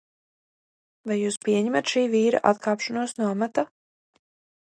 Vai jūs pieņemat šī vīra atkāpšanos no amata?